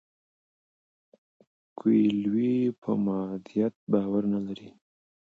کویلیو په مادیت باور نه لري.